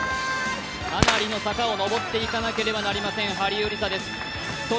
かなりの坂を上っていかなければなりませんハリウリサです。